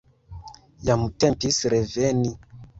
Jam tempis reveni.